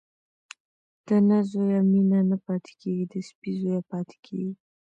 د نه زويه مينه نه پاتېږي ، د سپي زويه پاتېږي.